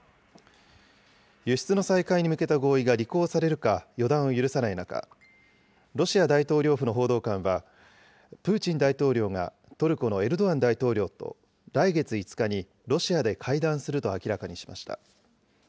輸出の再開に向けた合意が履行されるか予断を許さない中、ロシア大統領府の報道官は、プーチン大統領がトルコのエルドアン大統領と来月５日にロシアで会談すると明らかにしました。